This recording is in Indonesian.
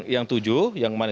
yang tujuh yang manis